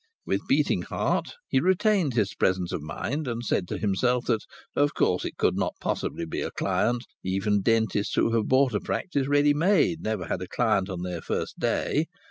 With beating heart he retained his presence of mind, and said to himself that of course it could not possibly be a client. Even dentists who bought a practice ready made never had a client on their first day.